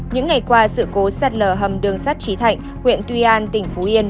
những ngày qua sự cố sát lở hầm đường sát trí thạnh huyện tuy an tỉnh phú yên